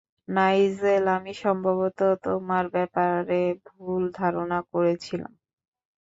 Nigel, আমি সম্ভবত তোমার ব্যাপারে ভুল ধারণা করেছিলাম।